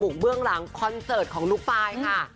เบื้องหลังคอนเสิร์ตของลูกไฟล์ค่ะ